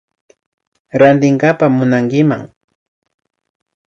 Rantinkapa munankiman